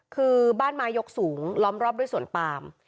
คือบ้านไม้ยกสูงล้อมรอบด้วยสวนปาม